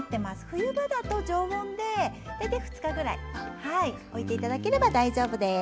冬場だと常温で大体２日くらい置いていただければ大丈夫です。